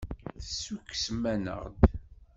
Tessukksem-aneɣ-d.